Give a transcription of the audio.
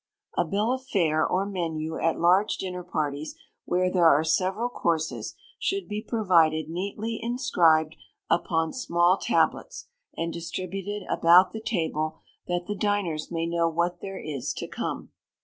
A bill of fare or Menu at large dinner parties, where there are several courses, should be provided neatly inscribed upon small tablets, and distributed about the table, that the diners may know what there is to come.